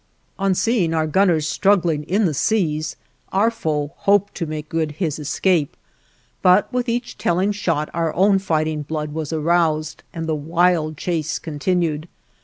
On seeing our gunners struggling in the seas, our foe hoped to make good his escape, but with each telling shot our own fighting blood was aroused and the wild chase continued.